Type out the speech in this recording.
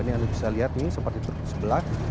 ini anda bisa lihat nih seperti truk sebelah